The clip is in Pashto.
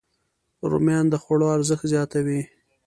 رومیان د خوړو ارزښت زیاتوي